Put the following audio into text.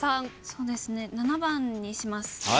そうですね７番にします。